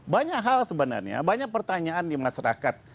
banyak hal sebenarnya banyak pertanyaan di masyarakat